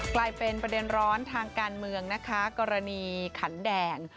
กลายเป็นประเด็นร้อนทางการเมืองนะคะกรณีขันแดง